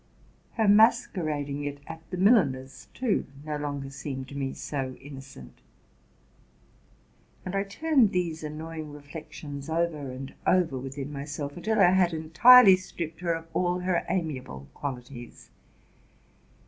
Her masquerading it at the milliner's, too, no longer seemed to me so innocent; and I turned these annoying reflections over and over within my self until I had entirely stripped her of all her amiable quali ties.